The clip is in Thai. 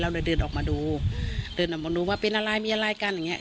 เลยเดินออกมาดูเดินออกมาดูว่าเป็นอะไรมีอะไรกันอย่างเงี้